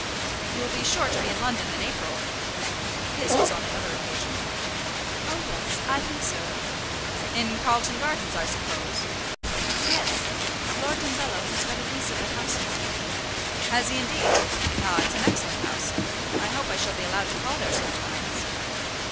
"You'll be sure to be in London in April?" This was on another occasion. "Oh, yes; I think so." "In Carlton Gardens, I suppose." "Yes; Lord Dumbello has got a lease of the house now." "Has he, indeed? Ah, it's an excellent house. I hope I shall be allowed to call there sometimes."